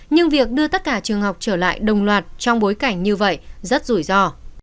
nhưng việc đưa tất cả trường học trở lại đồng loạt trong bối cảnh như vậy rất rủi ro